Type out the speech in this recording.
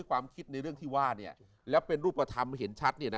ความคิดเรื่องที่ว่าเนี่๊ยและเป็นรูปกระทำเห็นชัดเนี่ยนะ